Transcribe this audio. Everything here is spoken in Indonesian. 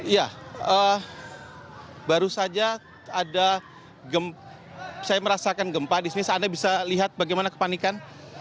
ya baru saja ada saya merasakan gempa di sini anda bisa lihat bagaimana kepanikan